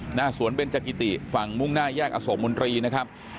หน้าสวนเบนจักิติฝั่งมุ่งหน้าแยกอโศกมนตรีนะครับ